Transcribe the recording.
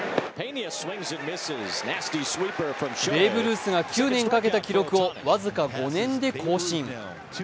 ベーブ・ルースが９年かけた記録を僅か５年で更新。